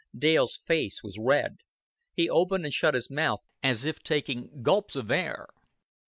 Dale's face was red. He opened and shut his mouth as if taking gulps of air.